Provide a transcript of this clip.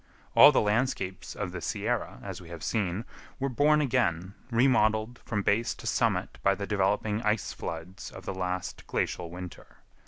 All the landscapes of the Sierra, as we have seen, were born again, remodeled from base to summit by the developing ice floods of the last glacial winter.